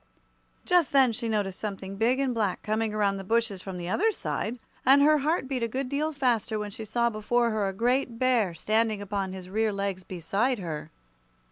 Just then she noticed something big and black coming around the bushes from the other side, and her heart beat a good deal faster when she saw before her a great bear standing upon his rear legs beside her.